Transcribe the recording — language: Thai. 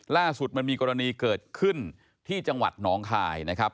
ล่าสุดมันมีกรณีเกิดขึ้นที่จังหวัดหนองคายนะครับ